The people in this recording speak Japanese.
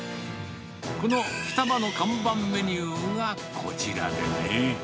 この冨多葉の看板メニューがこちらでね。